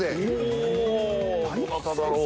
おおどなただろう？